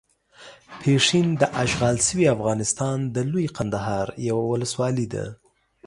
پشین داشغال شوي افغانستان د لويې کندهار یوه ولسوالۍ ده.